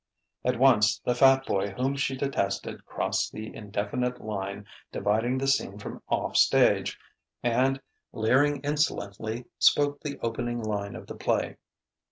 At once the fat boy whom she detested crossed the indefinite line dividing the scene from "off stage," and leering insolently, spoke the opening line of the play.